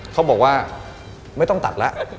เขาบอกว่าไม่ต้องตัดแล้ว